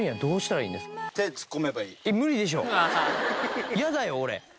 無理でしょ⁉嫌だよ俺。